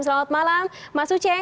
selamat malam mas uceng